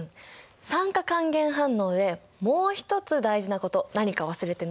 酸化還元反応でもう一つ大事なこと何か忘れてない？